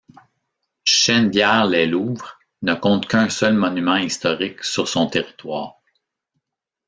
Chennevières-lès-Louvres ne compte qu'un seul monument historique sur son territoire.